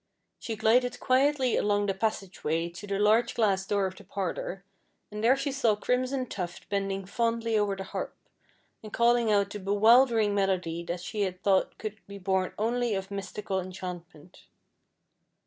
She glided quietly along the passage way to the large glass door of the parlor, and there she saw Crimson Tuft bending fondly over the harp, and calling out the bewildering melody that she had thought could be born only of mystical enchantment.